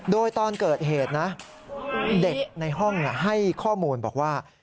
โดยตอนเกิดเหตุนะเด็กในห้องให้ข้อมูลบอกว่า